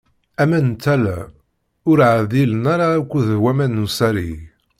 Aman n tala ur ɛdilen ara akked waman n usariǧ.